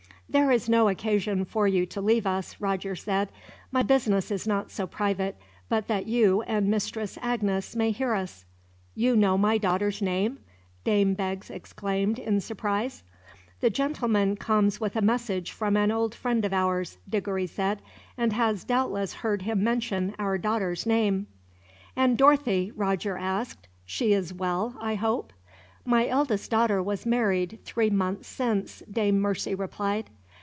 "There is no occasion for you to leave us," Roger said. "My business is not so private but that you and Mistress Agnes may hear us." "You know my daughter's name!" Dame Beggs exclaimed, in surprise. "The gentleman comes with a message from an old friend of ours," Diggory said; "and has doubtless heard him mention our daughter's name." "And Dorothy," Roger asked; "she is well, I hope." "My eldest daughter was married, three months since," Dame Mercy replied.